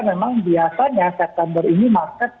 memang biasanya september ini market